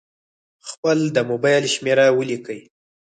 خپل د مبایل شمېره ولیکئ.